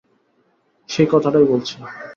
সেই কথাটাই বলছি।